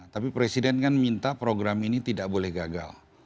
tapi presiden kan minta program ini tidak boleh gagal